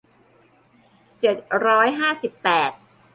เจ็ดร้อยห้าสิบแปด